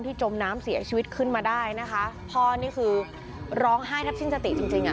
จมน้ำเสียชีวิตขึ้นมาได้นะคะพ่อนี่คือร้องไห้ทับสิ้นสติจริงจริงอ่ะ